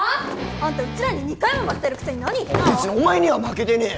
あんたうちらに２回も負けてるくせに何言ってんの別にお前には負けてねえよ